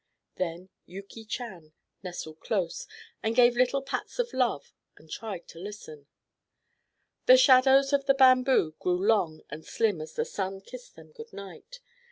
Then Yuki Chan nestled close, and gave little pats of love and tried to listen. THE shadows of the bamboo grew long and slim as the sun kissed them good night.